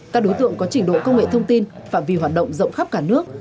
các đối tượng có trình độ công nghệ thông tin phạm vi hoạt động rộng khắp cả nước